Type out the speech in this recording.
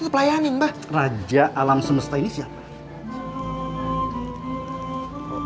itu pelayanin mbah raja alam semesta ini siapa